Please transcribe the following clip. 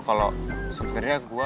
kalau sebenernya gue